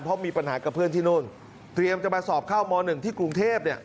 เพราะมีปัญหากับเพื่อนที่นู่นเตรียมจะมาสอบเข้าม๑ที่กรุงเทพเนี่ย